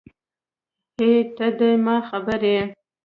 هی ته ده ما خبر یی